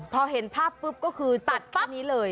พอเห็นภาพปุ๊บก็คือตัดแป๊บนี้เลย